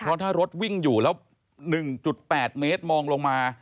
เพราะถ้ารถวิ่งอยู่แล้ว๑๘เมตรมองลงมา